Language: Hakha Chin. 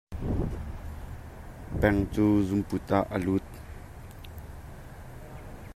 Peng cu zungput ah a lut.